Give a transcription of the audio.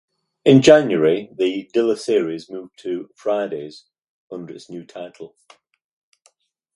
In January, the Diller series moved to Fridays under its new title.